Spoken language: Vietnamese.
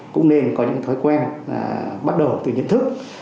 cũng nên có những thói quen bắt đầu từ nhận thức